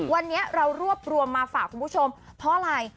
วันนี้เรารวบรวมมาฝากคุณผู้ชมเพราะอะไร